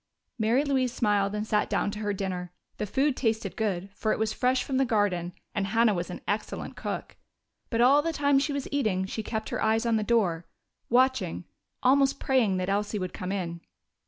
Mary Louise smiled and sat down to her dinner. The food tasted good, for it was fresh from the garden, and Hannah was an excellent cook. But all the time she was eating she kept her eyes on the door, watching, almost praying that Elsie would come in.